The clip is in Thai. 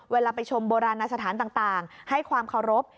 เวลาไปชมโบราณสถานต่างให้ความเคารพ